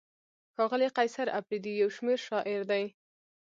ښاغلی قیصر اپریدی یو شمېر شاعر دی.